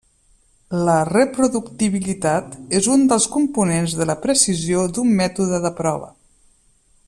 La reproductibilitat és un dels components de la precisió d’un mètode de prova.